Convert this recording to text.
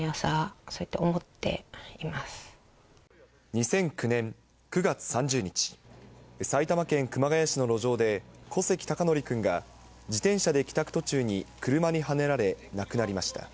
２００９年９月３０日、埼玉県熊谷市の路上で、小関孝徳くんが自転車で帰宅途中に車にはねられ亡くなりました。